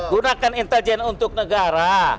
gunakan inteljen untuk negara